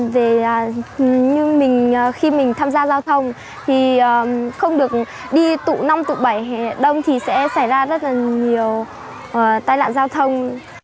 về như mình khi mình tham gia giao thông thì không được đi tụ năm tụ bảy đông thì sẽ xảy ra rất là nhiều tai lạc giao thông